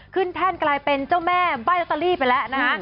ขึ้นแท่นกลายเป็นเจ้าแม่ใบลักษณ์ตาลีไปแล้วนะ